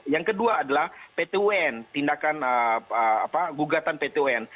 yang kedua adalah pt un tindakan gugatan pt un